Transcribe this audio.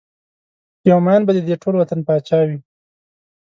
یو ميېن به ددې ټول وطن پاچا وي